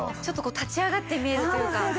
ちょっとこう立ち上がって見えるというか。